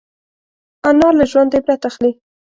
انا له ژونده عبرت اخلي